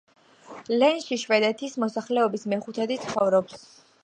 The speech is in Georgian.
ლენში შვედეთის მოსახლეობის მეხუთედი ცხოვრობს.